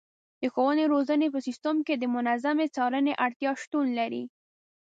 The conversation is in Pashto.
د ښوونې او روزنې په سیستم کې د منظمې څارنې اړتیا شتون لري.